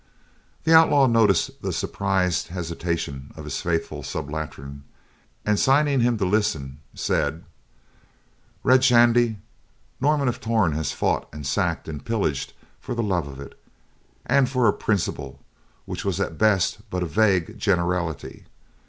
The outlaw noticed the surprised hesitation of his faithful subaltern and signing him to listen, said: "Red Shandy, Norman of Torn has fought and sacked and pillaged for the love of it, and for a principle which was at best but a vague generality.